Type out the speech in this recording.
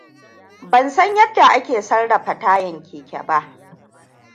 Ban san yadda ake sarrafa tayan keke ba.